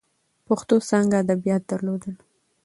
پښتو څانګه ادبیات درلودل.